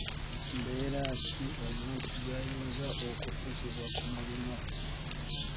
Mbeera ki omuntu gy'ayinza okukuzibwa ku mulimu?